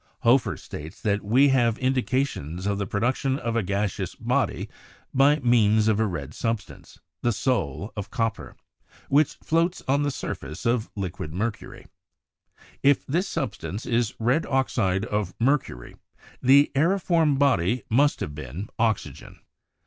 Hoefer states that here we have indications of the production of a gaseous body by means of a red substance (the soul of copper) which floats on the surface of liquid mercury; if this substance is red oxide of mercury, the "aeriform body" must have been oxygen.